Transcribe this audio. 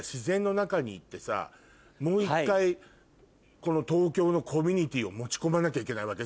もう一回この東京のコミュニティーを持ち込まなきゃいけないわけ？